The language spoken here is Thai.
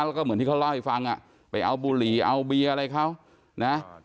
แล้วก็เหมือนที่เขาเล่าให้ฟังอ่ะไปเอาบุหรี่เอาเบียร์อะไรเขานะ